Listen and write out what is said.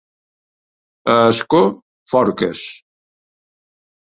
A Ascó, forques.